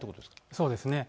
そうですね。